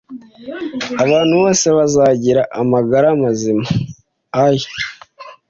abantu bose bazagira amagara mazima l